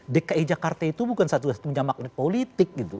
dki jakarta itu bukan satu satunya magnet politik gitu